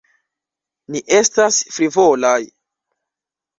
Ni estas frivolaj.